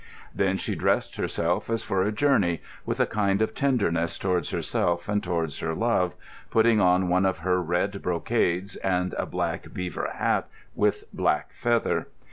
Then she dressed herself as for a journey, with a kind of tenderness towards herself and towards her love, putting on one of her red brocades and a black beaver hat with black feather.